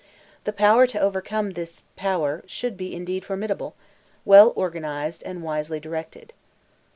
The power to overcome this power should be indeed formidable, well organized and wisely directed.